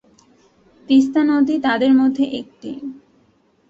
তিস্তা নদীর তাদের মধ্যে একটি।